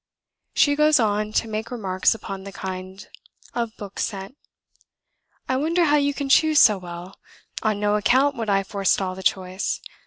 She goes on to make remarks upon the kind of books sent. "I wonder how you can choose so well; on no account would I forestall the choice.